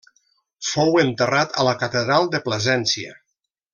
Fou enterrat a la catedral de Plasència.